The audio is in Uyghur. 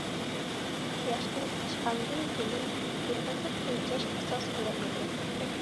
ئۈچ ياشتىن ئاشقاندىن كېيىن تۇرغۇزۇپ ئۆلچەش ئاساس قىلىنىدۇ.